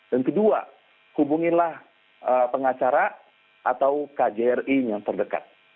dan kedua hubungilah pengacara atau kjri yang terdekat